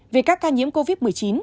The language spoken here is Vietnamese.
về các ca nhiễm covid một mươi chín